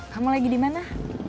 kamu lagi di mana